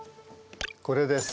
これです。